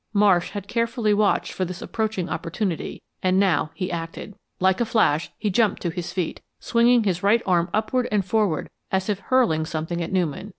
Marsh had carefully watched for this approaching opportunity and now he acted. Like a flash, he jumped to his feet, swinging his right arm upward and forward as if hurling something at Newman.